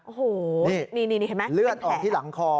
โอ้โหนี่เลือดออกที่หลังคอ